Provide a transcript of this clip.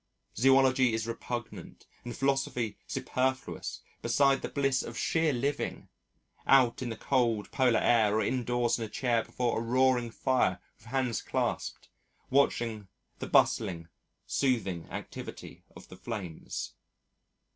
Zoology is repugnant and philosophy superfluous beside the bliss of sheer living out in the cold polar air or indoors in a chair before a roaring fire with hands clasped, watching the bustling, soothing activity of the flames.